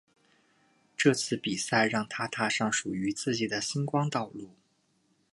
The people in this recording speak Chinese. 这次比赛让她踏上属于自己的星光道路。